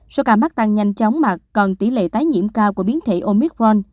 số ca mắc tăng nhanh chóng mặt còn tỷ lệ tái nhiễm cao của biến thể omicron